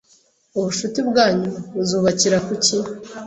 Ubushuti bwanyu buzubakira kuki